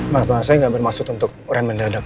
maaf maaf saya gak bermaksud untuk remit dadak